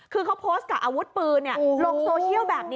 คือเขาโพสต์กับอาวุธปืนลงโซเชียลแบบนี้